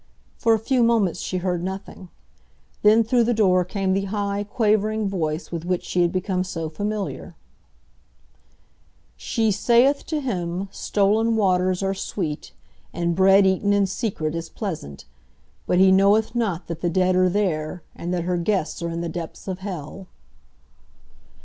For a few moments she heard nothing; then through the door came the high, quavering voice with which she had become so familiar: "'She saith to him, stolen waters are sweet, and bread eaten in secret is pleasant. But he knoweth not that the dead are there, and that her guests are in the depths of hell.